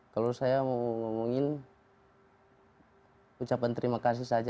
kalau saya mau ngomongin ucapan terima kasih saja